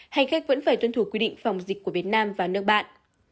hành khách vẫn phải tuân thủ quy định phòng dịch của việt nam và nước bạn